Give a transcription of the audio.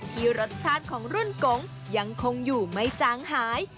ที่รสชาติของรุ่นกงยังคงอยู่ไม่จางหาย